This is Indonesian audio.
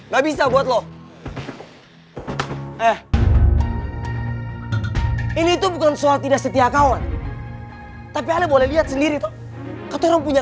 gak bisa buat loh eh ini tuh bukan soal tidak setia kawan tapi ada boleh lihat sendiri tuh ketua